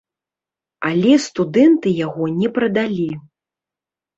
Але студэнты яго не прадалі.